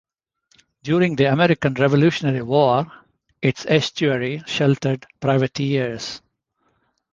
During the American Revolutionary War, its estuary sheltered privateers.